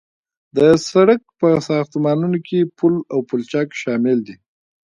د سرک په ساختمانونو کې پل او پلچک شامل دي